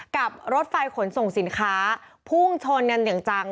กับรถไฟขนส่งสินค้าภูมิชนอย่างจัง